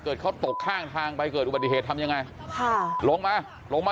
เขาตกข้างทางไปเกิดอุบัติเหตุทำยังไงค่ะลงมาลงมา